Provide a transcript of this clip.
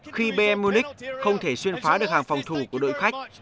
khi bn munich không thể xuyên phá được hàng phòng thủ của đội khách